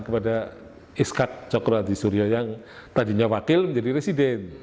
kepada iskat cokro adisuryo yang tadinya wakil menjadi residen